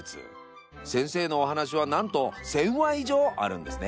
先生のお話はなんと１，０００話以上あるんですね。